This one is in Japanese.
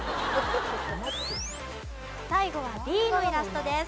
最後はＤのイラストです。